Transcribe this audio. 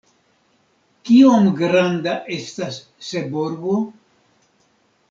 Kiom granda estas Seborgo?